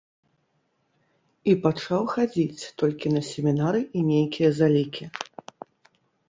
І пачаў хадзіць толькі на семінары і нейкія залікі.